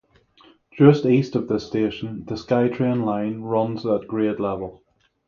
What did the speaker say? Just east of this station, the Skytrain line runs at grade level.